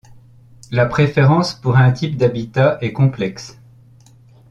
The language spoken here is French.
La préférence pour un type d’habitat est complexe.